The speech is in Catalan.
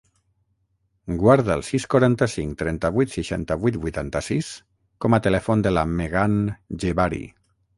Guarda el sis, quaranta-cinc, trenta-vuit, seixanta-vuit, vuitanta-sis com a telèfon de la Megan Jebari.